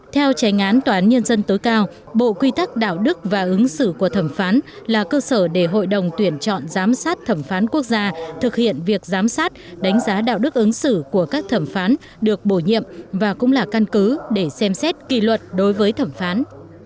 theo tranh án toán nhân dân tối cao bộ quy tắc đạo đức và ứng xử của thẩm phán là cơ sở để hội đồng tuyển chọn giám sát thẩm phán quốc gia thực hiện việc giám sát đánh giá đạo đức ứng xử của các thẩm phán được bổ nhiệm và cũng là căn cứ để xem xét kỳ luật đối với thẩm phán